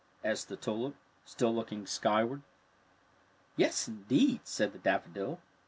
'' asked the tulip, still looking skyward. ^' Yes, indeed," said the daffodil.